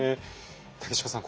竹島さん。